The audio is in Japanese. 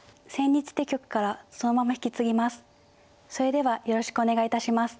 それではよろしくお願いいたします。